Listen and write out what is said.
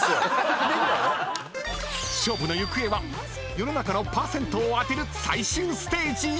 ［勝負の行方は世の中のパーセントを当てる最終ステージへ！］